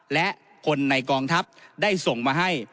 และคนในกองทัพได้ส่งมาให้